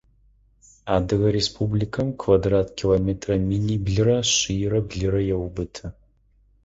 Адыгэ Республикэм квадрат километрэ миныблырэ шъийрэ блырэ еубыты.